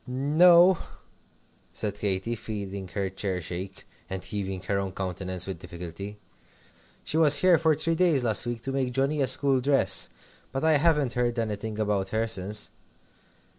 "No," said Katy, feeling her chair shake, and keeping her own countenance with difficulty, "she was here for three days last week to make Johnnie a school dress. But I haven't heard anything about her since.